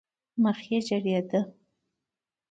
مخ یې زېړېده.